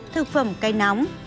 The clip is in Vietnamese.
thực phẩm cay nóng